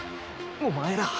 お前ら。